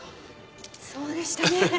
そうでしたね。